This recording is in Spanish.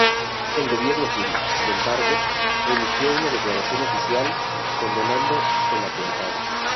El gobierno sirio, sin embargo, emitió una declaración oficial condenando el atentado.